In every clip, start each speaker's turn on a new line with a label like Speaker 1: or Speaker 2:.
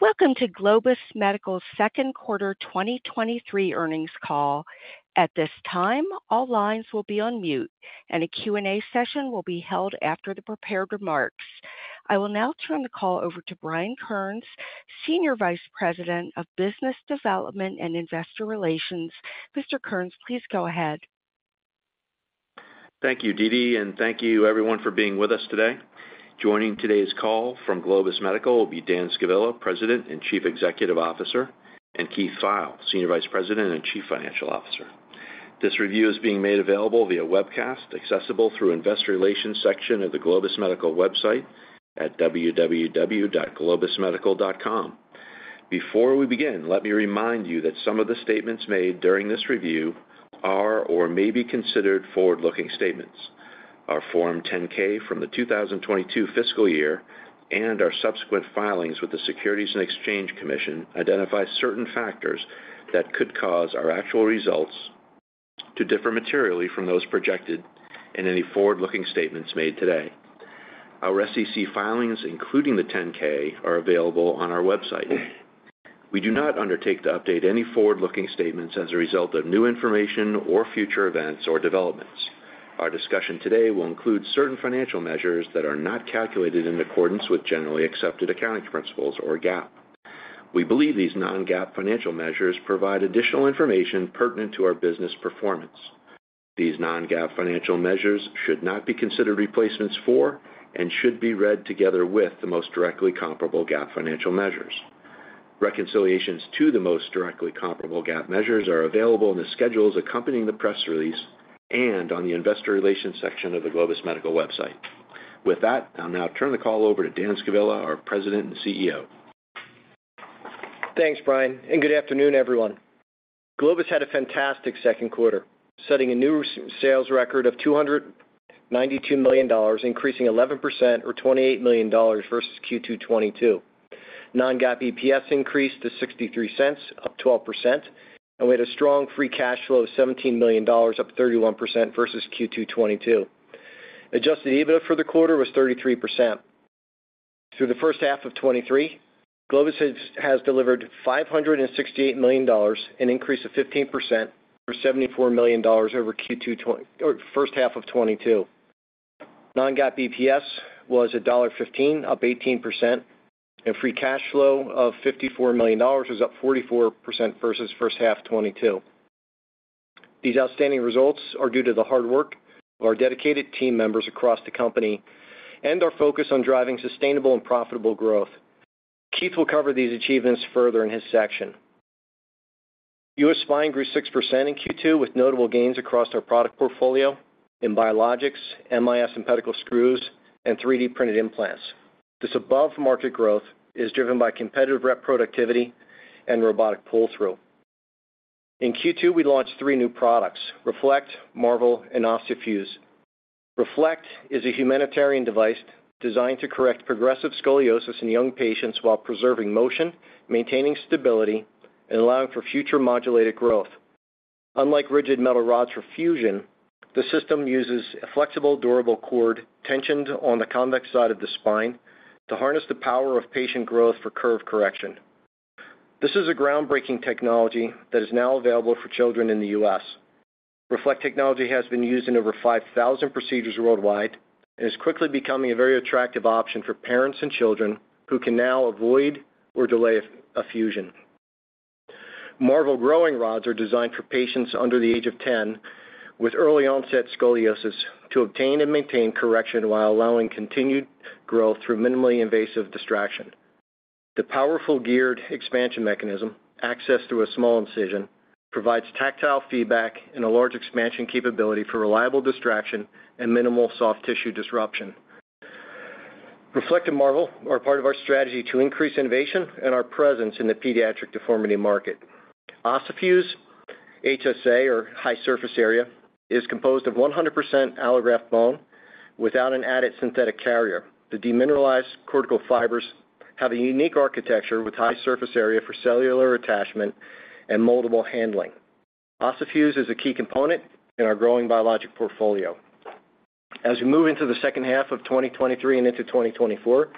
Speaker 1: Welcome to Globus Medical's second quarter 2023 earnings call. At this time, all lines will be on mute, and a Q&A session will be held after the prepared remarks. I will now turn the call over to Brian Kearns, Senior Vice President of Business Development and Investor Relations. Mr. Kearns, please go ahead.
Speaker 2: Thank you, Didi, and thank you everyone for being with us today. Joining today's call from Globus Medical will be Dan Scavilla, President and Chief Executive Officer, and Keith Pfeil, Senior Vice President and Chief Financial Officer. This review is being made available via webcast, accessible through Investor Relations section of the Globus Medical website at www.globusmedical.com. Before we begin, let me remind you that some of the statements made during this review are or may be considered forward-looking statements. Our Form 10-K from the 2022 fiscal year and our subsequent filings with the Securities and Exchange Commission identify certain factors that could cause our actual results to differ materially from those projected in any forward-looking statements made today. Our SEC filings, including the 10-K, are available on our website. We do not undertake to update any forward-looking statements as a result of new information or future events or developments. Our discussion today will include certain financial measures that are not calculated in accordance with generally accepted accounting principles or GAAP. We believe these non-GAAP financial measures provide additional information pertinent to our business performance. These non-GAAP financial measures should not be considered replacements for and should be read together with the most directly comparable GAAP financial measures. Reconciliations to the most directly comparable GAAP measures are available in the schedules accompanying the press release and on the investor relations section of the Globus Medical website. With that, I'll now turn the call over to Dan Scavilla, our President and CEO.
Speaker 3: Thanks, Brian, and good afternoon, everyone. Globus had a fantastic second quarter, setting a new sales record of $292 million, increasing 11% or $28 million versus Q2 2022. Non-GAAP EPS increased to $0.63, up 12%, and we had a strong free cash flow of $17 million, up 31% versus Q2 2022. Adjusted EBITDA for the quarter was 33%. Through the first half of 2023, Globus has delivered $568 million, an increase of 15% for $74 million over Q2... or first half of 2022. Non-GAAP EPS was $1.15, up 18%, and free cash flow of $54 million was up 44% versus first half 2022. These outstanding results are due to the hard work of our dedicated team members across the company and our focus on driving sustainable and profitable growth. Keith will cover these achievements further in his section. US Spine grew 6% in Q2, with notable gains across our product portfolio in Biologics, MIS and Pedicle Screws, and 3D Printed Implants. This above-market growth is driven by competitive rep productivity and robotic pull-through. In Q2, we launched three new products, REFLECT, MARVEL, and OsteoFuse. REFLECT is a Humanitarian Device designed to correct progressive scoliosis in young patients while preserving motion, maintaining stability, and allowing for future modulated growth. Unlike rigid metal rods for fusion, the system uses a flexible, durable cord tensioned on the convex side of the spine to harness the power of patient growth for curve correction. This is a groundbreaking technology that is now available for children in the U.S. REFLECT technology has been used in over 5,000 procedures worldwide and is quickly becoming a very attractive option for parents and children who can now avoid or delay a fusion. MARVEL growing rods are designed for patients under the age of 10 with early-onset scoliosis to obtain and maintain correction while allowing continued growth through minimally invasive distraction. The powerful geared expansion mechanism, accessed through a small incision, provides tactile feedback and a large expansion capability for reliable distraction and minimal soft tissue disruption. REFLECT and MARVEL are part of our strategy to increase innovation and our presence in the pediatric deformity market. OssiFuse HSA, or high surface area, is composed of 100% allograft bone without an added synthetic carrier. The demineralized cortical fibers have a unique architecture with high surface area for cellular attachment and moldable handling. OsteoFuse is a key component in our growing biologic portfolio. As we move into the second half of 2023 and into 2024,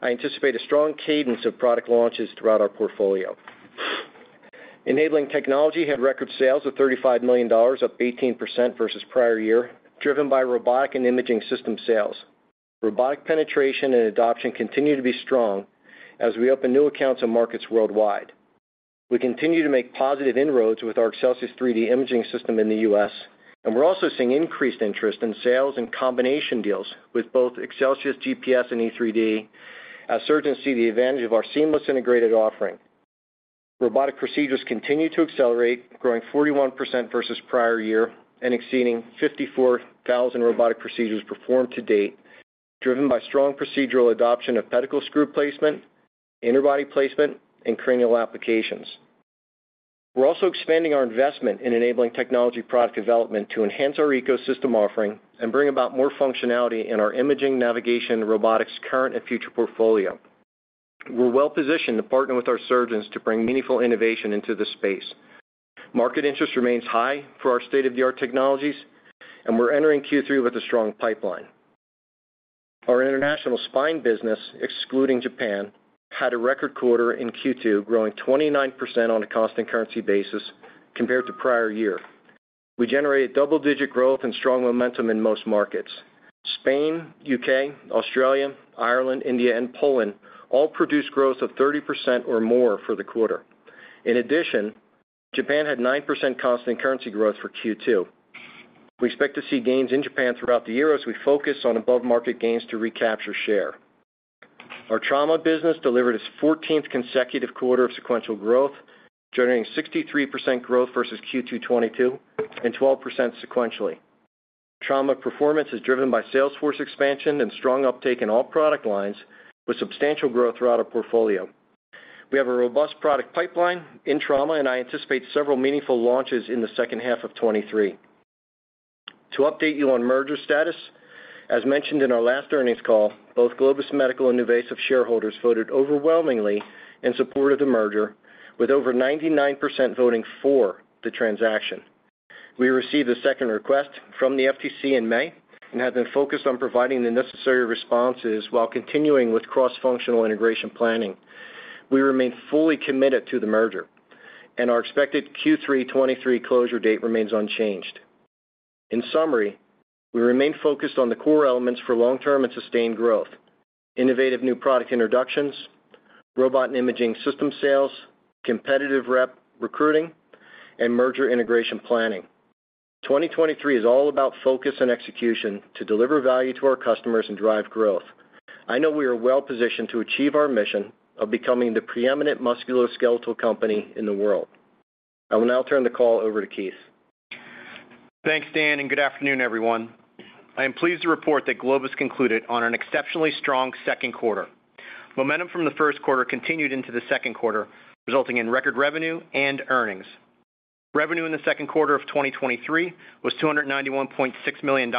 Speaker 3: I anticipate a strong cadence of product launches throughout our portfolio. Enabling Technologies had record sales of $35 million, up 18% versus prior year, driven by robotic and imaging system sales. Robotic penetration and adoption continue to be strong as we open new accounts and markets worldwide. We continue to make positive inroads with our Excelsius3D imaging system in the U.S., and we're also seeing increased interest in sales and combination deals with both ExcelsiusGPS and Excelsius3D as surgeons see the advantage of our seamless integrated offering. Robotic procedures continue to accelerate, growing 41% versus prior year and exceeding 54,000 robotic procedures performed to date, driven by strong procedural adoption of pedicle screw placement, interbody placement, and cranial applications. We're also expanding our investment in enabling technology product development to enhance our ecosystem offering and bring about more functionality in our imaging, navigation, and robotics current and future portfolio. We're well positioned to partner with our surgeons to bring meaningful innovation into this space. Market interest remains high for our state-of-the-art technologies, and we're entering Q3 with a strong pipeline. Our international spine business, excluding Japan, had a record quarter in Q2, growing 29% on a constant currency basis compared to prior year. We generated double-digit growth and strong momentum in most markets. Spain, U.K., Australia, Ireland, India, and Poland all produced growth of 30% or more for the quarter. In addition, Japan had 9% constant currency growth for Q2. We expect to see gains in Japan throughout the year as we focus on above-market gains to recapture share. Our trauma business delivered its 14th consecutive quarter of sequential growth, generating 63% growth versus Q2 2022 and 12% sequentially. Trauma performance is driven by sales force expansion and strong uptake in all product lines, with substantial growth throughout our portfolio. We have a robust product pipeline in trauma, and I anticipate several meaningful launches in the second half of 2023. To update you on merger status, as mentioned in our last earnings call, both Globus Medical and NuVasive shareholders voted overwhelmingly in support of the merger, with over 99% voting for the transaction. We received a second request from the FTC in May and have been focused on providing the necessary responses while continuing with cross-functional integration planning. We remain fully committed to the merger, and our expected Q3 2023 closure date remains unchanged. In summary, we remain focused on the core elements for long-term and sustained growth, innovative new product introductions, robot and imaging system sales, competitive rep recruiting, and merger integration planning. 2023 is all about focus and execution to deliver value to our customers and drive growth. I know we are well-positioned to achieve our mission of becoming the preeminent musculoskeletal company in the world. I will now turn the call over to Keith.
Speaker 4: Thanks, Dan. Good afternoon, everyone. I am pleased to report that Globus concluded on an exceptionally strong second quarter. Momentum from the first quarter continued into the second quarter, resulting in record revenue and earnings. Revenue in the second quarter of 2023 was $291.6 million,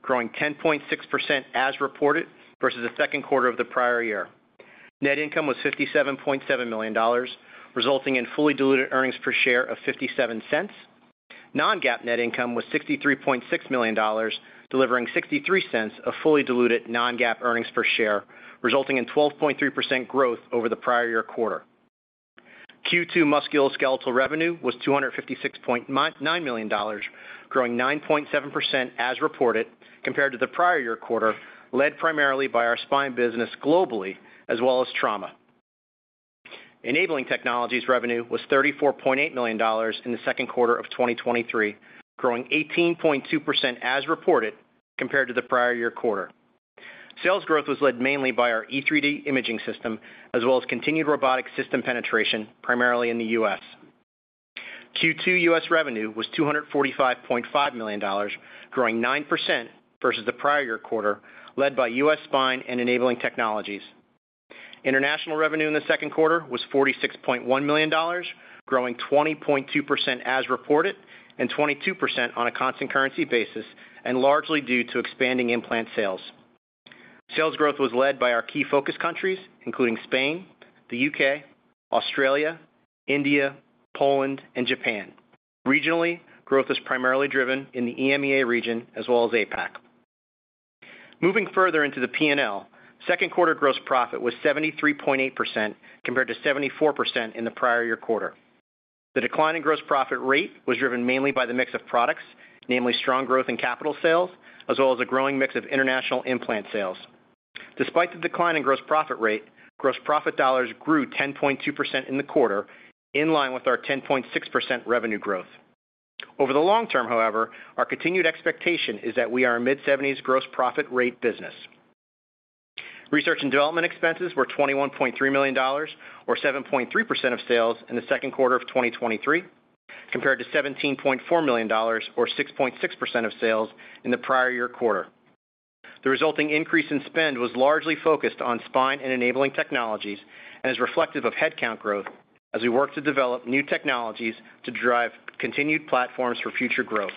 Speaker 4: growing 10.6% as reported versus the second quarter of the prior year. Net income was $57.7 million, resulting in fully diluted earnings per share of $0.57. Non-GAAP net income was $63.6 million, delivering $0.63 of fully diluted non-GAAP earnings per share, resulting in 12.3% growth over the prior year quarter. Q2 musculoskeletal revenue was $256.9 million, growing 9.7% as reported compared to the prior year quarter, led primarily by our spine business globally as well as trauma. Enabling Technologies revenue was $34.8 million in the second quarter of 2023, growing 18.2% as reported compared to the prior year quarter. Sales growth was led mainly by our Excelsius3D imaging system, as well as continued robotic system penetration, primarily in the U.S. Q2 U.S. revenue was $245.5 million, growing 9% versus the prior year quarter, led by US Spine and Enabling Technologies. International revenue in the second quarter was $46.1 million, growing 20.2% as reported and 22% on a constant currency basis, largely due to expanding implant sales. Sales growth was led by our key focus countries, including Spain, the UK, Australia, India, Poland, and Japan. Regionally, growth is primarily driven in the EMEA region as well as APAC. Moving further into the P&L, second quarter gross profit was 73.8%, compared to 74% in the prior year quarter. The decline in gross profit rate was driven mainly by the mix of products, namely strong growth in capital sales, as well as a growing mix of international implant sales. Despite the decline in gross profit rate, gross profit dollars grew 10.2% in the quarter, in line with our 10.6% revenue growth. Over the long term, however, our continued expectation is that we are a mid-70s gross profit rate business. Research and development expenses were $21.3 million, or 7.3% of sales in the second quarter of 2023, compared to $17.4 million or 6.6% of sales in the prior year quarter. The resulting increase in spend was largely focused on spine and Enabling Technologies and is reflective of headcount growth as we work to develop new technologies to drive continued platforms for future growth.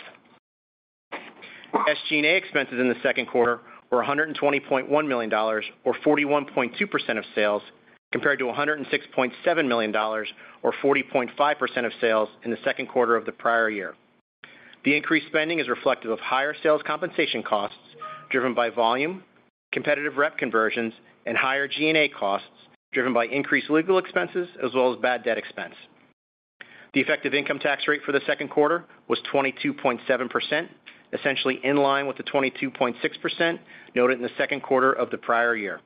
Speaker 4: SG&A expenses in the second quarter were $120.1 million or 41.2% of sales, compared to $106.7 million or 40.5% of sales in the second quarter of the prior year. The increased spending is reflective of higher sales compensation costs driven by volume, competitive rep conversions, and higher G&A costs, driven by increased legal expenses as well as bad debt expense. The effective income tax rate for the second quarter was 22.7%, essentially in line with the 22.6% noted in the second quarter of the prior year.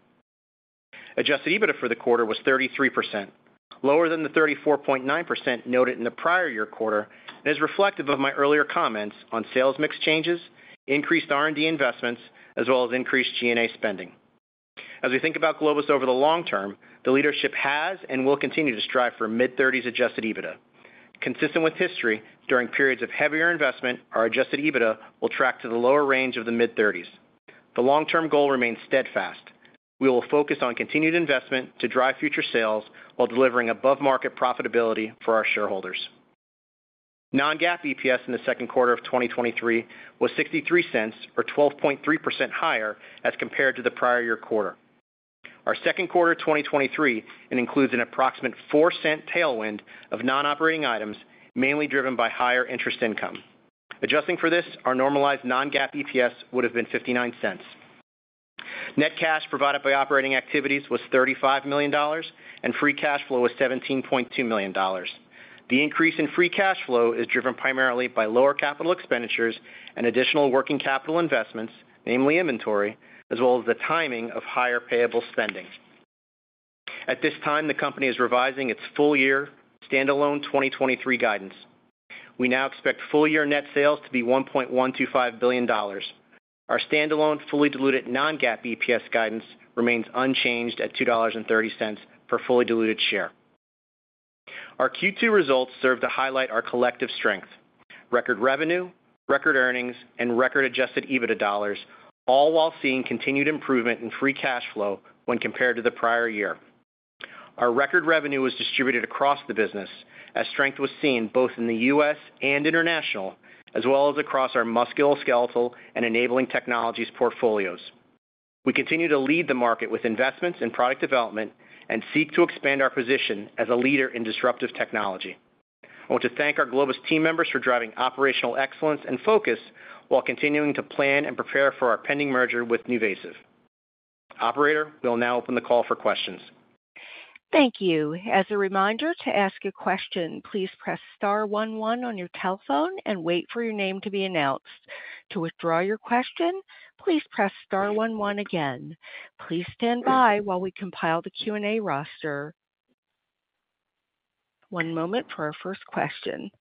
Speaker 4: Adjusted EBITDA for the quarter was 33%, lower than the 34.9% noted in the prior year quarter, and is reflective of my earlier comments on sales mix changes, increased R&D investments, as well as increased G&A spending. As we think about Globus over the long term, the leadership has and will continue to strive for mid-thirties Adjusted EBITDA. Consistent with history, during periods of heavier investment, our Adjusted EBITDA will track to the lower range of the mid-thirties. The long-term goal remains steadfast. We will focus on continued investment to drive future sales while delivering above-market profitability for our shareholders. Non-GAAP EPS in the second quarter of 2023 was $0.63, or 12.3% higher as compared to the prior year quarter. Our second quarter 2023, and includes an approximate $0.04 tailwind of non-operating items, mainly driven by higher interest income. Adjusting for this, our normalized non-GAAP EPS would have been $0.59. Net cash provided by operating activities was $35 million, and free cash flow was $17.2 million. The increase in free cash flow is driven primarily by lower capital expenditures and additional working capital investments, namely inventory, as well as the timing of higher payable spending. At this time, the company is revising its full year standalone 2023 guidance. We now expect full year net sales to be $1.125 billion. Our standalone, fully diluted non-GAAP EPS guidance remains unchanged at $2.30 per fully diluted share. Our Q2 results serve to highlight our collective strength, record revenue, record earnings, and record Adjusted EBITDA dollars, all while seeing continued improvement in free cash flow when compared to the prior year. Our record revenue was distributed across the business as strength was seen both in the U.S. and international, as well as across our musculoskeletal and Enabling Technologies portfolios. We continue to lead the market with investments in product development and seek to expand our position as a leader in disruptive technology. I want to thank our Globus team members for driving operational excellence and focus while continuing to plan and prepare for our pending merger with NuVasive.Operator, we'll now open the call for questions.
Speaker 1: Thank you. As a reminder to ask a question, please press star one one on your telephone and wait for your name to be announced. To withdraw your question, please press star one one again. Please stand by while we compile the Q&A roster. One moment for our first question.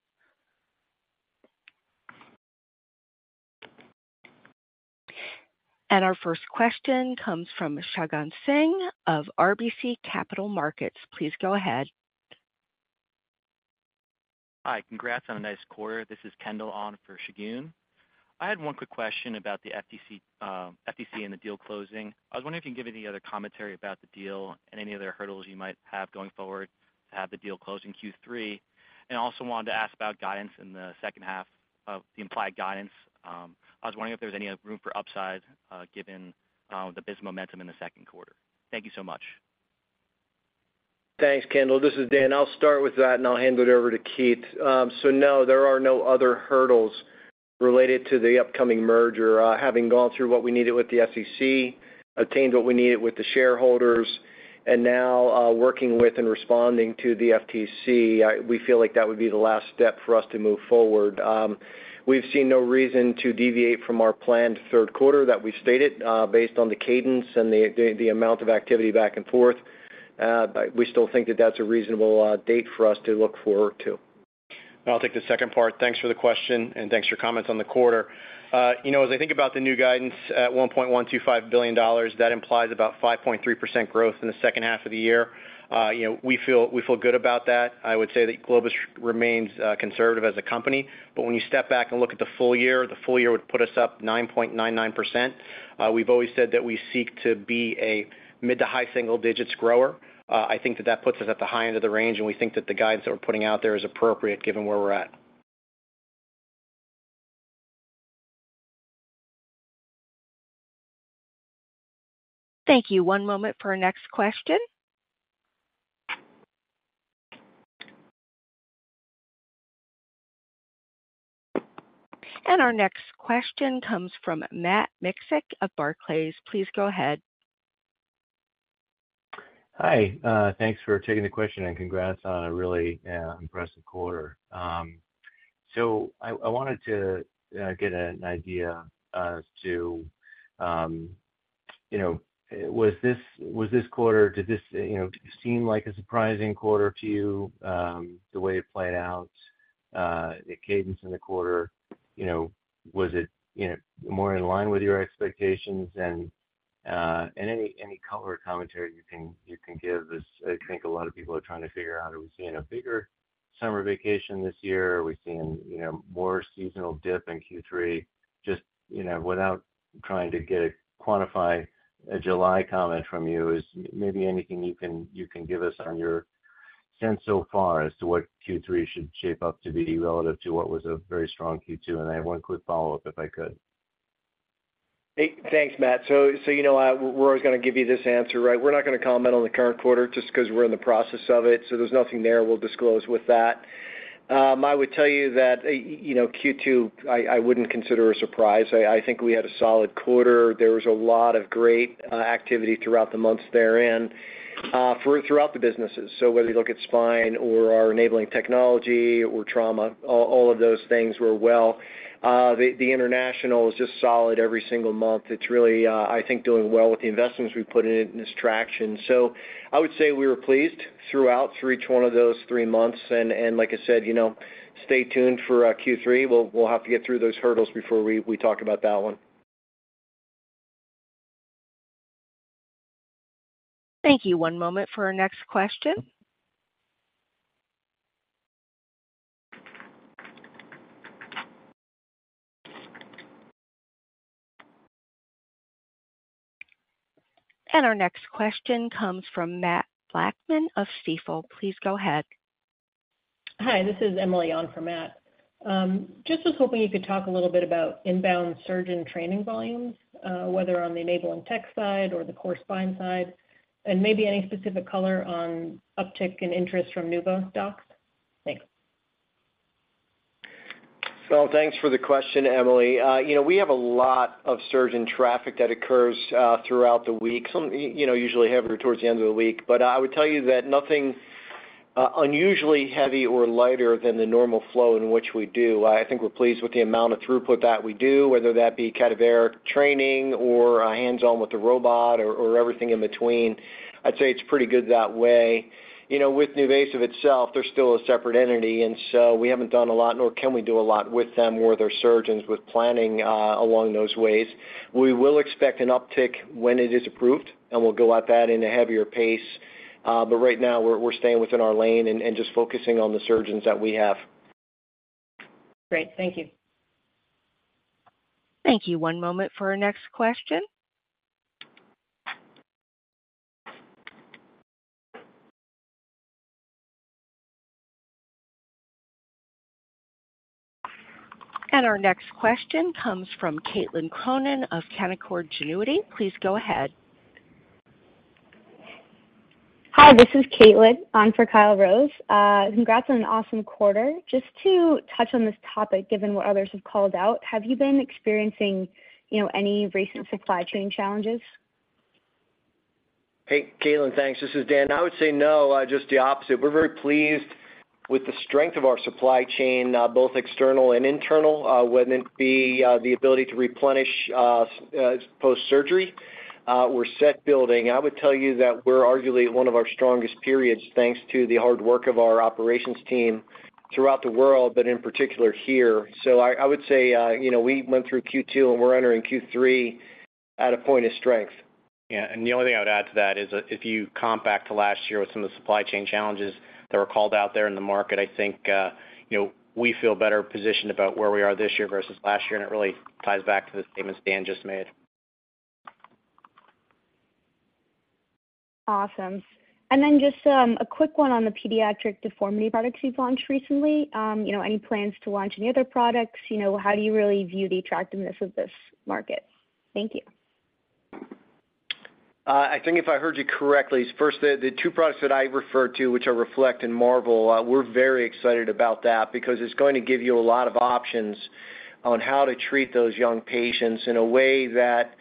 Speaker 1: Our first question comes from Shagun Singh of RBC Capital Markets. Please go ahead.
Speaker 5: Hi, congrats on a nice quarter. This is Kendall on for Shagun. I had one quick question about the FTC, FTC and the deal closing. I was wondering if you can give any other commentary about the deal and any other hurdles you might have going forward to have the deal close in Q3. I also wanted to ask about guidance in the second half of the implied guidance. I was wondering if there's any room for upside, given the biz momentum in the second quarter. Thank you so much.
Speaker 3: Thanks, Kendall. This is Dan. I'll start with that. I'll hand it over to Keith. No, there are no other hurdles related to the upcoming merger. Having gone through what we needed with the SEC, obtained what we needed with the shareholders, and now, working with and responding to the FTC, we feel like that would be the last step for us to move forward. We've seen no reason to deviate from our planned third quarter that we stated, based on the cadence and the, the, the amount of activity back and forth. We still think that that's a reasonable date for us to look forward to.
Speaker 4: I'll take the second part. Thanks for the question, and thanks for your comments on the quarter. You know, as I think about the new guidance at $1.125 billion, that implies about 5.3% growth in the second half of the year. You know, we feel, we feel good about that. I would say that Globus remains conservative as a company, but when you step back and look at the full year, the full year would put us up 9.99%. We've always said that we seek to be a mid- to high-single digits grower. I think that that puts us at the high end of the range, and we think that the guidance that we're putting out there is appropriate given where we're at.
Speaker 1: Thank you. One moment for our next question. Our next question comes from Matt Miksic of Barclays. Please go ahead.
Speaker 6: Hi, thanks for taking the question, and congrats on a really impressive quarter. I, I wanted to get an idea as to, you know, was this, was this quarter, did this, you know, seem like a surprising quarter to you? The way it played out, the cadence in the quarter, you know, was it, you know, more in line with your expectations? Any color commentary you can, you can give us? I think a lot of people are trying to figure out, are we seeing a bigger summer vacation this year? Are we seeing, you know, more seasonal dip in Q3? Just, you know, without trying to get a quantify a July comment from you, is maybe anything you can, you can give us on your sense so far as to what Q3 should shape up to be relative to what was a very strong Q2? I have one quick follow-up, if I could.
Speaker 3: Hey, thanks, Matt. So, you know, we're always going to give you this answer, right? We're not going to comment on the current quarter just because we're in the process of it, so there's nothing there we'll disclose with that. I would tell you that, you know, Q2, I, I wouldn't consider a surprise. I, I think we had a solid quarter. There was a lot of great activity throughout the months therein, for throughout the businesses. So whether you look at spine or our Enabling Technologies or trauma, all, all of those things were well. The, the international is just solid every single month. It's really, I think, doing well with the investments we've put in it and its traction. I would say we were pleased throughout each one of those three months, and, and like I said, you know, stay tuned for Q3. We'll, we'll have to get through those hurdles before we, we talk about that one.
Speaker 1: Thank you. One moment for our next question. Our next question comes from Matthew Blackman of Stifel. Please go ahead.
Speaker 7: Hi, this is Emily on for Matt. Just was hoping you could talk a little bit about inbound surgeon training volumes, whether on the Enable and Tech side or the Core Spine side, and maybe any specific color on uptick in interest from Nuva docs? Thanks.
Speaker 3: Thanks for the question, Emily. You know, we have a lot of surgeon traffic that occurs throughout the week. Some, you know, usually heavier towards the end of the week. I would tell you that nothing unusually heavy or lighter than the normal flow in which we do. I think we're pleased with the amount of throughput that we do, whether that be cadaveric training or hands-on with the robot or everything in between. I'd say it's pretty good that way. You know, with NuVasive itself, they're still a separate entity, and so we haven't done a lot, nor can we do a lot with them or their surgeons with planning along those ways. We will expect an uptick when it is approved, and we'll go at that in a heavier pace. Right now we're, we're staying within our lane and, and just focusing on the surgeons that we have.
Speaker 7: Great. Thank you.
Speaker 1: Thank you. One moment for our next question. Our next question comes from Caitlin Cronin of Canaccord Genuity. Please go ahead.
Speaker 8: Hi, this is Caitlin, on for Kyle Rose. Congrats on an awesome quarter. Just to touch on this topic, given what others have called out, have you been experiencing, you know, any recent supply chain challenges?
Speaker 3: Hey, Caitlin, thanks. This is Dan. I would say, no, just the opposite. We're very pleased with the strength of our supply chain, both external and internal, whether it be the ability to replenish post-surgery, we're set building. I would tell you that we're arguably one of our strongest periods, thanks to the hard work of our operations team throughout the world, but in particular here. I, I would say, you know, we went through Q2, and we're entering Q3 at a point of strength.
Speaker 4: Yeah, the only thing I would add to that is that if you comp back to last year with some of the supply chain challenges that were called out there in the market, I think, you know, we feel better positioned about where we are this year versus last year, and it really ties back to the statements Dan just made.
Speaker 8: Awesome. Then just a quick one on the pediatric deformity products you've launched recently? You know, any plans to launch any other products? You know, how do you really view the attractiveness of this market? Thank you.
Speaker 3: I think if I heard you correctly, first, the, the two products that I referred to, which are REFLECT and MARVEL, we're very excited about that because it's going to give you a lot of options on how to treat those young patients in a way that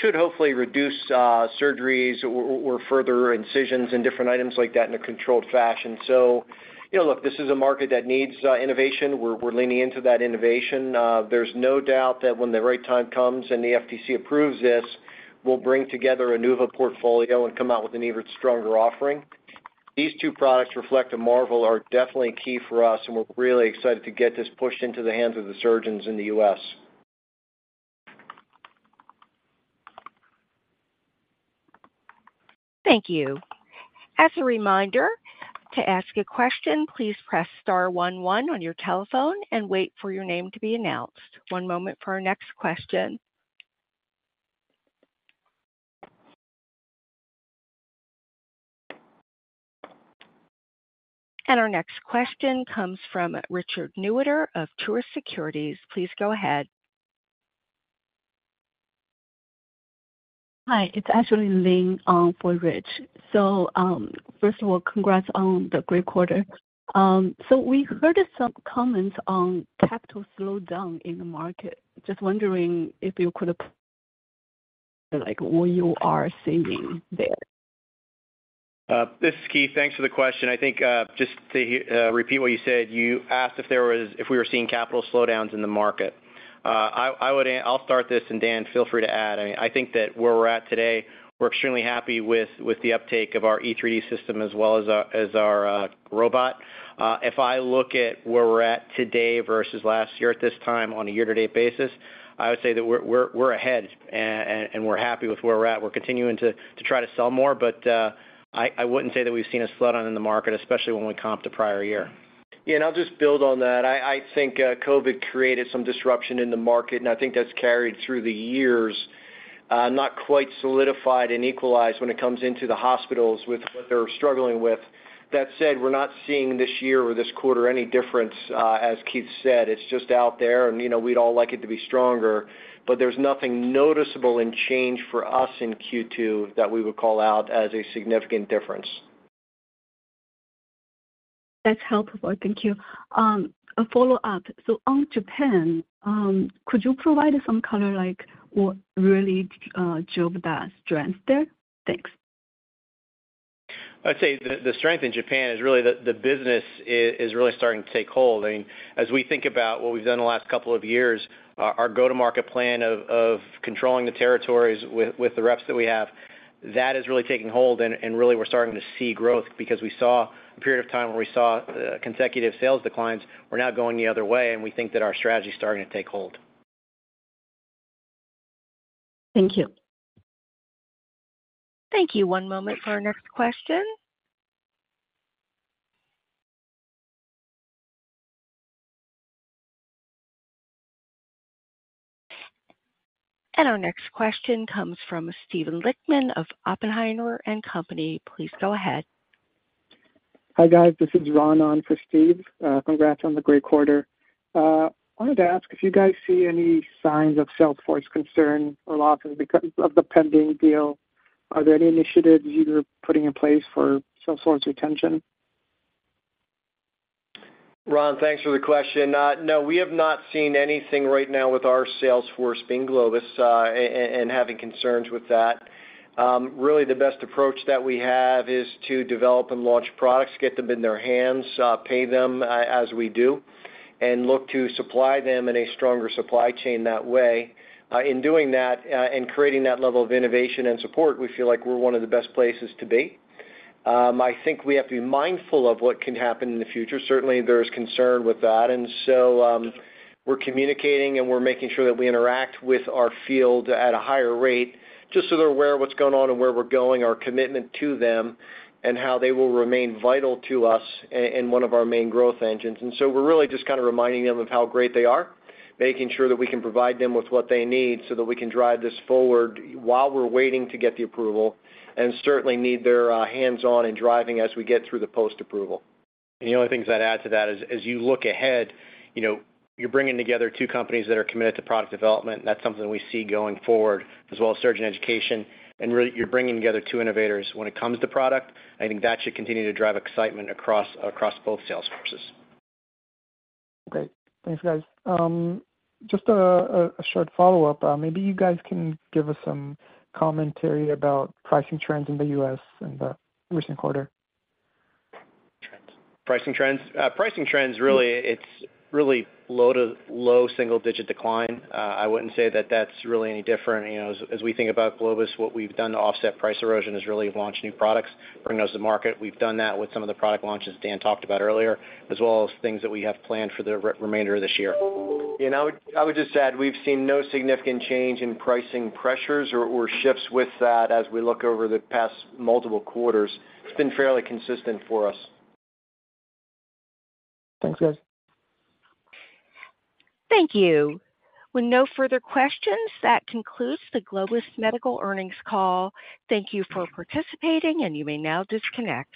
Speaker 3: should hopefully reduce surgeries or further incisions and different items like that in a controlled fashion. You know, look, this is a market that needs innovation. We're leaning into that innovation. There's no doubt that when the right time comes and the FTC approves this, we'll bring together a Nuva portfolio and come out with an even stronger offering. These two products, REFLECT and MARVEL, are definitely key for us, and we're really excited to get this pushed into the hands of the surgeons in the US.
Speaker 1: Thank you. As a reminder, to ask a question, please press star one, one on your telephone and wait for your name to be announced. One moment for our next question. Our next question comes from Richard Newitter of Truist Securities. Please go ahead.
Speaker 9: Hi, it's actually Lynn, for Rich. First of all, congrats on the great quarter. We heard some comments on capital slowdown in the market. Just wondering if you could, like, what you are seeing there?
Speaker 4: This is Keith. Thanks for the question. I think, just to repeat what you said, you asked if we were seeing capital slowdowns in the market. I'll start this, and Dan, feel free to add. I mean, I think that where we're at today, we're extremely happy with the uptake of our Excelsius3D system as well as our robot. If I look at where we're at today versus last year at this time on a year-to-date basis, I would say that we're ahead and we're happy with where we're at. We're continuing to try to sell more, but I wouldn't say that we've seen a slowdown in the market, especially when we comp the prior year.
Speaker 3: Yeah, I'll just build on that. I, I think COVID created some disruption in the market, I think that's carried through the years, not quite solidified and equalized when it comes into the hospitals with what they're struggling with. That said, we're not seeing this year or this quarter any difference. As Keith said, it's just out there, you know, we'd all like it to be stronger, but there's nothing noticeable in change for us in Q2 that we would call out as a significant difference.
Speaker 9: That's helpful. Thank you. A follow-up: so on Japan, could you provide some color, like what really drove that strength there? Thanks.
Speaker 4: I'd say the, the strength in Japan is really the, the business is, is really starting to take hold. I mean, as we think about what we've done in the last couple of years, our, our go-to-market plan of, of controlling the territories with, with the reps that we have, that is really taking hold, and, and really, we're starting to see growth because we saw a period of time where we saw consecutive sales declines. We're now going the other way, and we think that our strategy is starting to take hold.
Speaker 9: Thank you.
Speaker 1: Thank you. One moment for our next question....Our next question comes from Steven Lichtman of Oppenheimer and Company. Please go ahead.
Speaker 10: Hi, guys. This is Ron on for Steve. Congrats on the great quarter. I wanted to ask if you guys see any signs of sales force concern or losses because of the pending deal. Are there any initiatives you're putting in place for sales force retention?
Speaker 3: Ron, thanks for the question. No, we have not seen anything right now with our sales force being Globus, and having concerns with that. Really, the best approach that we have is to develop and launch products, get them in their hands, pay them, as we do, and look to supply them in a stronger supply chain that way. In doing that, and creating that level of innovation and support, we feel like we're one of the best places to be. I think we have to be mindful of what can happen in the future. Certainly, there is concern with that, and so, we're communicating, and we're making sure that we interact with our field at a higher rate, just so they're aware of what's going on and where we're going, our commitment to them, and how they will remain vital to us and one of our main growth engines. We're really just kind of reminding them of how great they are, making sure that we can provide them with what they need, so that we can drive this forward while we're waiting to get the approval, and certainly need their hands-on in driving as we get through the post-approval.
Speaker 4: The only thing I'd add to that is, as you look ahead, you know, you're bringing together two companies that are committed to product development, that's something we see going forward, as well as surgeon education. Really, you're bringing together two innovators. When it comes to product, I think that should continue to drive excitement across, across both sales forces.
Speaker 10: Great. Thanks, guys. Just a short follow-up. Maybe you guys can give us some commentary about pricing trends in the U..S in the recent quarter?
Speaker 4: Trends.
Speaker 3: Pricing trends? Pricing trends, really, it's really low to low single-digit decline. I wouldn't say that that's really any different. You know, as, as we think about Globus, what we've done to offset price erosion is really launch new products, bring those to market. We've done that with some of the product launches Dan talked about earlier, as well as things that we have planned for the remainder of this year.
Speaker 4: Yeah, and I would, I would just add, we've seen no significant change in pricing pressures or, or shifts with that as we look over the past multiple quarters. It's been fairly consistent for us.
Speaker 10: Thanks, guys.
Speaker 1: Thank you. With no further questions, that concludes the Globus Medical earnings call. Thank you for participating, and you may now disconnect.